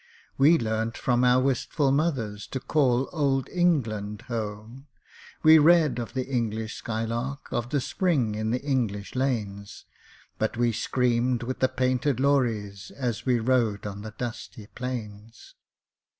We learned from our wistful mothers To call old England 'home'; We read of the English skylark, Of the spring in the English lanes, But we screamed with the painted lories As we rode on the dusty plains!